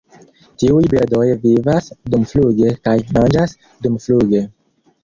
Tiuj birdoj vivas dumfluge kaj manĝas dumfluge.